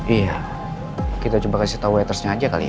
iya kita coba kasih tau addressnya aja kali ya